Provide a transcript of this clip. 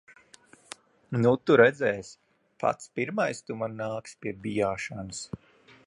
Nu tu redzēsi. Pats pirmais tu man nāksi pie bijāšanas.